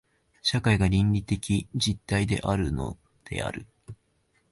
社会が倫理的実体であるのである。